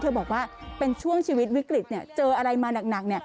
บอกว่าเป็นช่วงชีวิตวิกฤตเจออะไรมาหนัก